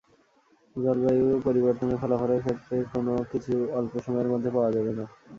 জলবায়ু পরিবর্তনের ফলাফলের ক্ষেত্রে কোনো কিছু অল্প সময়ের মধ্যে পাওয়া যাবে না।